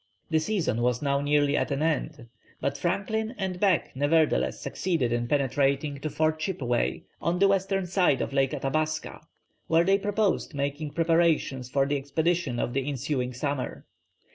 The season was now nearly at an end, but Franklin and Back nevertheless succeeded in penetrating to Fort Chippeway on the western side of Lake Athabasca, where they proposed making preparations for the expedition of the ensuing summer.